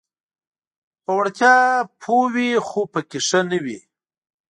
په وړتیا پوه وي خو پکې ښه نه وي: